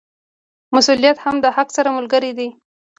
مسوولیت هم د حق سره ملګری دی.